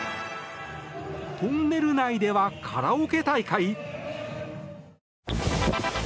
トンネル内ではカラオケ大会？